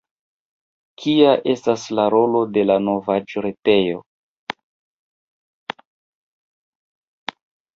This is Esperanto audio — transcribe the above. Kia estas la rolo de la novaĵretejo?